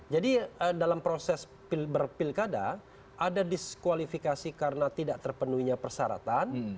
jadi dalam proses berpilkada ada diskualifikasi karena tidak terpenuhinya persyaratan